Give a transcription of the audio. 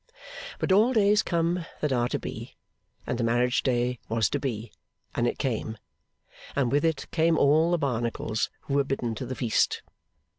But all days come that are to be; and the marriage day was to be, and it came; and with it came all the Barnacles who were bidden to the feast.